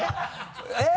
えっ？